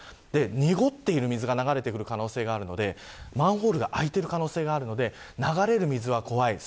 濁っている水が流れてくる可能性があるので、マンホールが開いている可能性があるので流れる水は怖い。